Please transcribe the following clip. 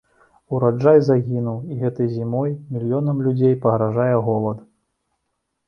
Ўраджай загінуў, і гэтай зімой мільёнам людзей пагражае голад.